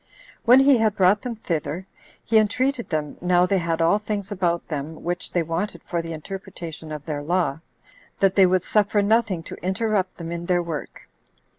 When he had brought them thither, he entreated them [now they had all things about them which they wanted for the interpretation of their law] that they would suffer nothing to interrupt them in their work.